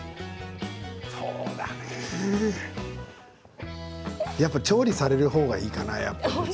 そうだねやっぱり調理されるほうがいいかな。